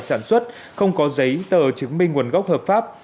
sản xuất không có giấy tờ chứng minh nguồn gốc hợp pháp